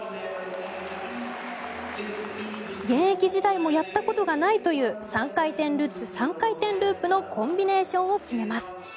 現役時代もやったことがないという３回転ルッツ、３回転ループのコンビネーションを決めます。